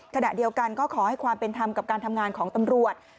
ขณะเดียวกันก็ขอให้ความเป็นธรรมกับการทำงานของตำรวจ